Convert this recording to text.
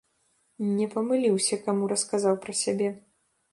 Не памыліўся, каму расказаў пра сябе.